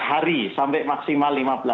lima belas hari sampai maksimal lima belas hari